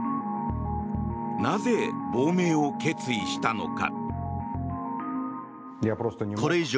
なぜ、亡命を決意したのか。